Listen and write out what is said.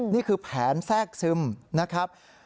นี่คือแผนแทรกซึมนะครับ